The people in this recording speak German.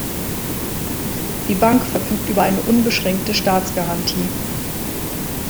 Die Bank verfügt über eine unbeschränkte Staatsgarantie.